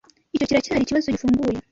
Icyo kiracyari ikibazo gifunguye.